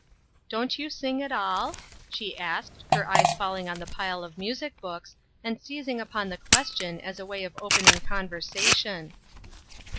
" Don't you sing at all ?" she asked, her eyes falling on the pile of music books, and seizing upon the question as a way of open ing conversation.